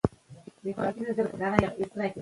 پښتو د ټولو پښتنو د زړه غږ او اراده ده.